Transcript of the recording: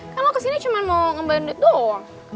kan lo kesini cuma mau ngembalin duit doang